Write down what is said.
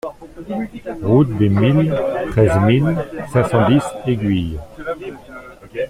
Route des Milles, treize mille cinq cent dix Éguilles